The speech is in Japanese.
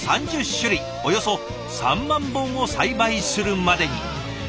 およそ３万本を栽培するまでに。